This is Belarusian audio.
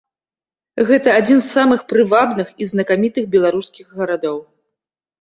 Гэта адзін з самых прывабных і знакамітых беларускіх гарадоў.